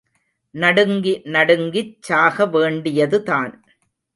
நடுங்கி நடுங்கிச் சாகவேண்டியதுதான்.